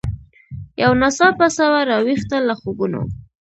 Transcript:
یو ناڅاپه سوه را ویښه له خوبونو